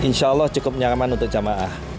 insya allah cukup nyaman untuk jamaah